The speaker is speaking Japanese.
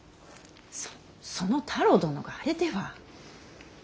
そその太郎殿があれでは。